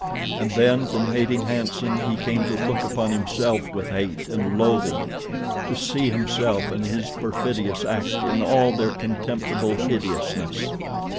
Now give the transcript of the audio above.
And then from hating "Hanson" he came to look upon himself with hate and loathing—to see himself and his perfidious act in all their contemptible hideousness.